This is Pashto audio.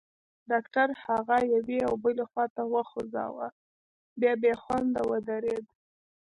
ډاکټر هغه یوې او بلې خواته وخوځاوه، بیا بېخونده ودرېد.